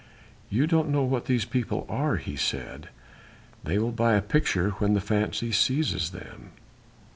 "You don't know what these people are," he said, "they will buy a picture when the fancy seizes them.